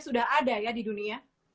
sudah ada ya di dunia